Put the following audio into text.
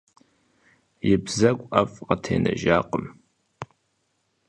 И бзэгу ӀэфӀ къытенэжакъым.